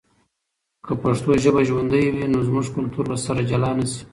که پښتو ژبه ژوندی وي، نو زموږ کلتور به سره جلا نه سي.